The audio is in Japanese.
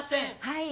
「はい」